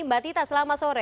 mbak tita selamat sore